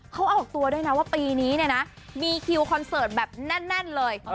เขาออกตัวด้วยนะว่าปีนี้เนี่ยนะมีคิวคอนเสิร์ตแบบแน่นเลย